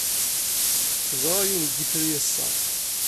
Ẓriɣ yiwen n yitri ass-a.